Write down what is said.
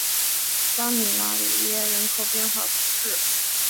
拉米拉里耶人口变化图示